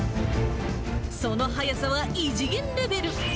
その速さは異次元レベル。